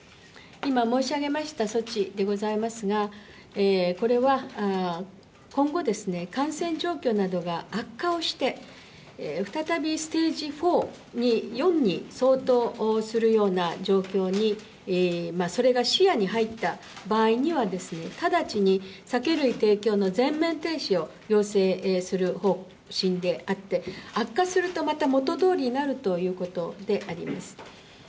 今申し上げました措置でございますが、これは今後ですね、感染状況などが悪化をして、再びステージ４に、４に相当するような状況に、それが視野に入った場合には、直ちに酒類提供の全面停止を要請する方針であって、悪化すると、また元どおりになるということであります。